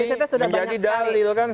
menjadi dalil kan